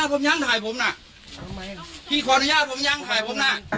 ผมมาทำหน้าที่ของผมครับอย่ามาทำร้ายร่างกายผมครับ